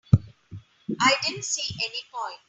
I didn't see any point.